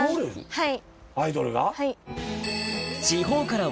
はい。